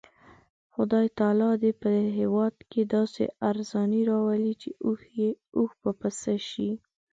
خدای تعالی دې په هېواد کې داسې ارزاني راولي چې اوښ په پیسه شي.